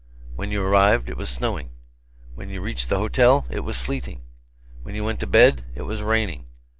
When you arrived, it was snowing. When you reached the hotel, it was sleeting. When you went to bed, it was raining.